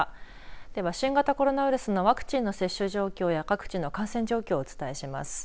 では、新型コロナウイルスのワクチンの接種状況や各地の感染状況をお伝えします。